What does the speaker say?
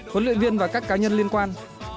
huấn luyện viên và các cá nhân liên quan